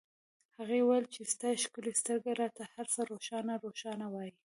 هغې وویل چې ستا ښکلې سترګې راته هرڅه روښانه روښانه وایي